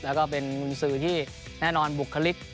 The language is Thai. แล้วก็เป็นกุญสือที่แน่นอนบุคลิก